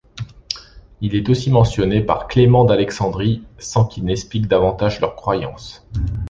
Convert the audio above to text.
Il est aussi mentionné par Clément d'Alexandrie sans qu'ils n'expliquent davantage leurs croyances.